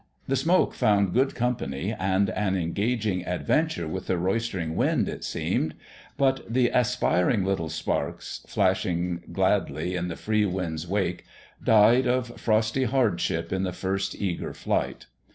The smoke found good company and an engaging adventure with the roistering wind, it seemed ; but the aspiring little sparks, flashing gladly in the free wind's wake, died of frosty hardship in the first eager flight.